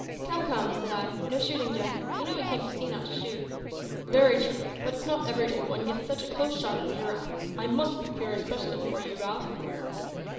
"Come, come!" said I; "no shooting, Jack. You know we came to see, not to shoot." "Very true; but it's not every day one gets such a close shot at a giraffe. I must procure a specimen for you, Ralph."